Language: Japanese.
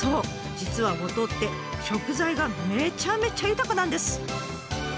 実は五島って食材がめちゃめちゃ豊かなんです。